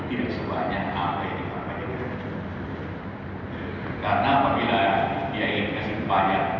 ya ada perubahan tapi tidak banyak